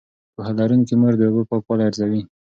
پوهه لرونکې مور د اوبو پاکوالی ارزوي.